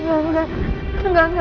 enggak enggak enggak